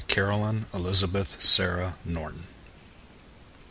Caroline Elizabeth Sarah Norton.